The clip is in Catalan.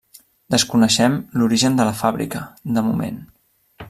Desconeixem l'origen de la fàbrica, de moment.